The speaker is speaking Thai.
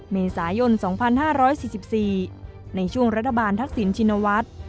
เมษายน๒๕๔๔ในช่วงรัฐบาลทักษิณชินวัฒน์